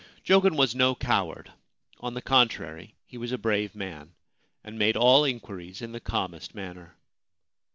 Jogen was no coward ; on the contrary, he was a brave man, and made all inquiries in the calmest manner.